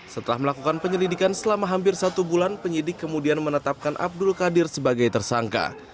setelah melakukan penyelidikan selama hampir satu bulan penyidik kemudian menetapkan abdul qadir sebagai tersangka